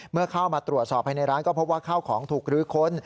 เมื่อเข้ามาตรวจสอบภายในร้านก็พบว่าข้าวของถูกลื้อค้น